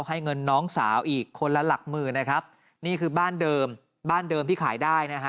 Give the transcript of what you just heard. ให้เงินน้องสาวอีกคนละหลักหมื่นนะครับนี่คือบ้านเดิมบ้านเดิมที่ขายได้นะฮะ